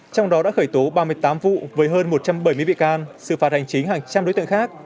trong đó đã khởi tố ba mươi tám vụ với hơn một trăm bảy mươi bị can xử phạt hành chính hàng trăm đối tượng khác